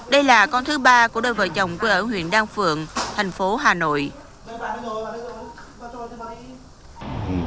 đây là con thứ ba của bố mẹ và các y bác sĩ bệnh viện phụ sản trung ương